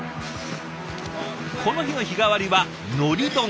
この日の日替わりはのり丼。